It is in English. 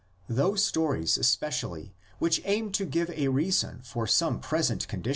Those stories especially which aim to give a reason for some present condition (Cp.